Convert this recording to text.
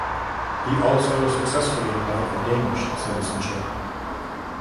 He also successfully applied for Danish citizenship.